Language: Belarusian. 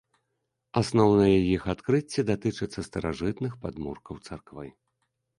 Асноўныя іх адкрыцці датычацца старажытных падмуркаў царквы.